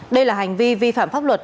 đây là hành vi vi phạm pháp luật